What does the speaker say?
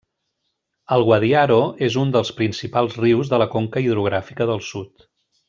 El Guadiaro és un dels principals rius de la Conca Hidrogràfica del Sud.